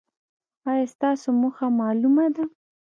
ایا ستاسو موخه معلومه ده؟